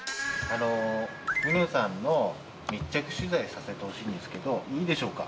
ミノさんの密着取材させてほしいんですけどいいでしょうか？